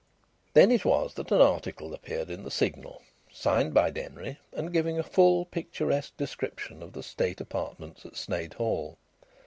Then it was that an article appeared in the Signal, signed by Denry, and giving a full picturesque description of the state apartments at Sneyd Hall.